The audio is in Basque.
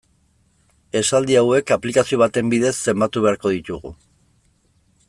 Esaldi hauek aplikazio baten bidez zenbatu beharko ditugu.